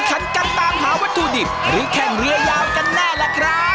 คันกันตามหาวัตถุดิบหรือแข่งเรือยาวกันแน่ล่ะครับ